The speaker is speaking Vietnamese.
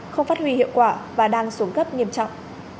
không phát huy hiệu quả và đang xuống cấp nghiêm trọng